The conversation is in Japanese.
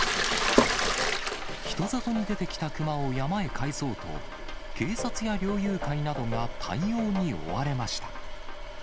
人里に出てきた熊を山へかえそうと、警察や猟友会などが対応に追われました。